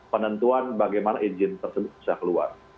penentuan bagaimana izin tersebut bisa keluar